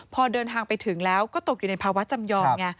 พอเดินทางไปถึงแล้วก็ตกอยู่ในภาวะจำยอมไง